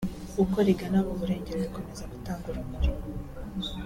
uko rigana mu burengero rigakomeza gutanga urumuri